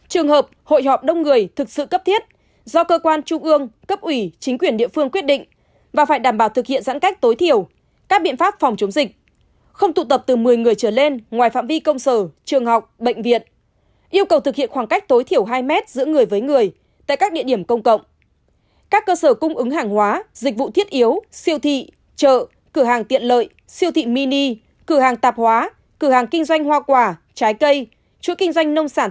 trường hợp hội họp đông người thực sự cấp thiết do cơ quan trung ương cấp ủy chính quyền địa phương quyết định và phải đảm bảo thực hiện giãn cách tối thiểu các biện pháp phòng chống dịch không tụ tập từ một mươi người trở lên ngoài phạm vi công sở trường học bệnh viện yêu cầu thực hiện khoảng cách tối thiểu hai mét giữa người với người tại các địa điểm công cộng các cơ sở cung ứng hàng hóa dịch vụ thiết yếu siêu thị chợ cửa hàng tiện lợi siêu thị mini cửa hàng tạp hóa cửa hàng kinh doanh hoa quả trái cây chuỗi kinh doanh nông sản